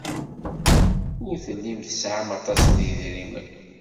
Ur tellim tesɛam aṭas n yedrimen.